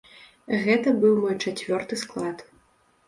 Гэта быў мой чацвёрты склад.